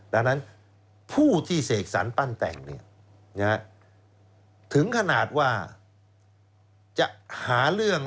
ดังนั้นผู้ที่เสกสรรปั้นแต่งถึงขนาดว่าจะหาเรื่อง